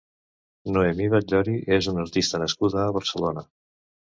Noemí Batllori és una artista nascuda a Barcelona.